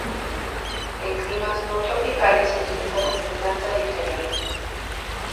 En climas no tropicales se utiliza como planta de interior.